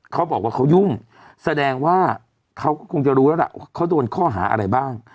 เขาบอกว่าเขายุ่งแสดงว่าเขาก็คงจะรู้แล้วล่ะว่าเขาโดนข้อหาอะไรบ้าง